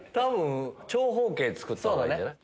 長方形作った方がいいんじゃない？